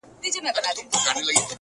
خداى خو دې هركله د سترگو سيند بهانه لري،